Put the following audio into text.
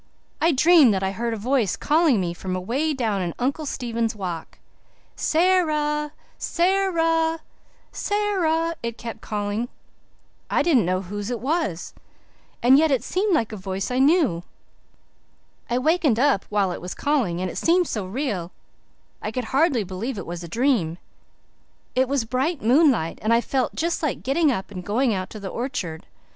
"I dreamed that I heard a voice calling me from away down in Uncle Stephen's Walk 'Sara, Sara, Sara,' it kept calling. I didn't know whose it was, and yet it seemed like a voice I knew. I wakened up while it was calling, and it seemed so real I could hardly believe it was a dream. It was bright moonlight, and I felt just like getting up and going out to the orchard.